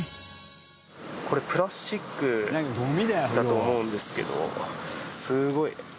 これプラスチックだと思うんですけどすごい。